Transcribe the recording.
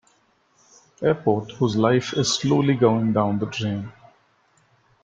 Airport whose life is slowly going down the drain.